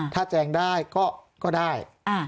ถ้าแจงได้ก็ได้